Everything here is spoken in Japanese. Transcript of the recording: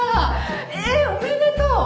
えっおめでとう。